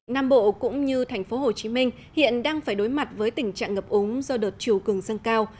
nam bộ cũng như thành phố hồ chí minh hiện đang phải đối mặt với tình trạng ngập úng do đợt chiều cường dâng cao